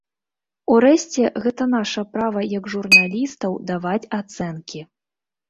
Урэшце, гэта наша права як журналістаў даваць ацэнкі.